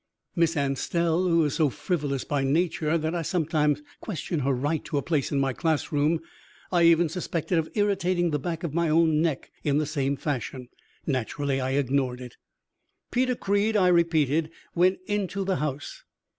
Miss Anstell, who is so frivolous by nature that I sometimes question her right to a place in my classroom, I even suspected of irritating the back of my own neck in the same fashion. Naturally, I ignored it. "Peter Creed," I repeated, "went into the house.